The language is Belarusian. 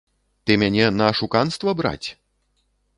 Ты мяне на ашуканства браць?